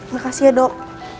makasih ya dok